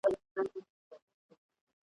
چي څوک روژه خوري ورته ګوري دوږخونه عذاب `